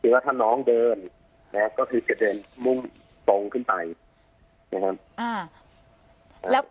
คือว่าถ้าน้องเดินแล้วก็คือจะเดินมุ่งตรงขึ้นไปนะครับ